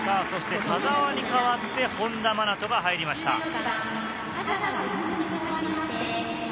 そして田澤に代わって本田真斗が入りました。